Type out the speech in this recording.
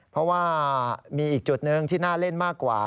เพราะว่ามีอีกจุดหนึ่งที่น่าเล่นมากกว่า